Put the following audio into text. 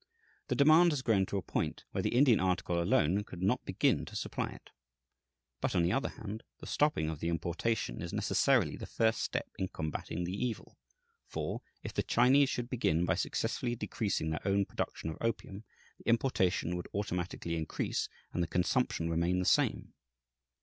The demand has grown to a point where the Indian article alone could not begin to supply it. But, on the other hand, the stopping of the importation is necessarily the first step in combating the evil; for, if the Chinese should begin by successfully decreasing their own production of opium, the importation would automatically increase, and consumption remain the same.